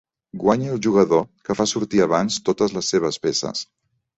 Guanya el jugador que fa sortir abans totes les seves peces.